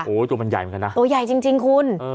โอ้โหตัวมันใหญ่เหมือนกันนะตัวใหญ่จริงคุณ